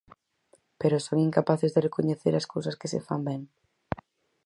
Pero son incapaces de recoñecer as cousas que se fan ben.